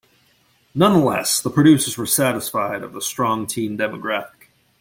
Nonetheless, the producers were satisfied of the strong teen demographic.